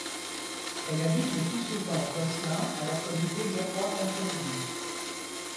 Elle habite le plus souvent Josselin alors qu'Olivier guerroie contre le duc.